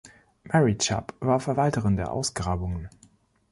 Mary Chubb war Verwalterin der Ausgrabungen.